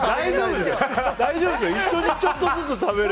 大丈夫ですよ。